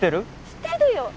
してるよ！